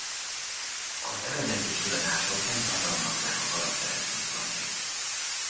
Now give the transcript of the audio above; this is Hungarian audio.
Az eredeti kiadások nem tartalmazzák a karakterek szinkronjait.